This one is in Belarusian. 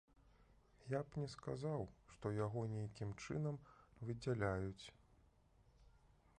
Я б не сказаў, што яго нейкім чынам выдзяляюць.